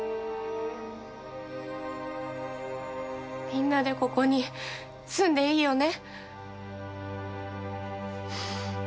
みんなでここに住んでいいよね？